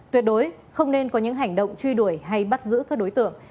tuyệt đối không nên có những hành động truy đuổi hay bắt giữ các đối tượng